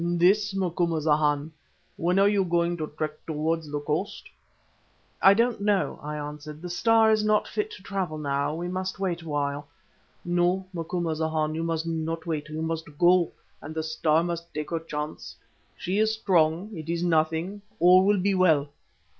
"This, Macumazahn. When are you going to trek towards the coast?" "I don't know," I answered. "The Star is not fit to travel now, we must wait awhile." "No, Macumazahn, you must not wait, you must go, and the Star must take her chance. She is strong. It is nothing. All will be well."